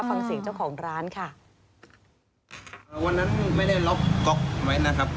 ฟังเสียงเจ้าของร้านค่ะอ่าวันนั้นไม่ได้ล็อกก๊อกไว้นะครับ